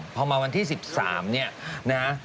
พอมาวันที่๑๓เนี่ยนะฮะ